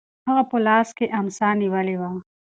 هغه په لاس کې امسا نیولې وه.